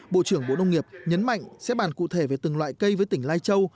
bộ trưởng bộ nông nghiệp nhấn mạnh sẽ bàn cụ thể về từng loại cây với tỉnh lai châu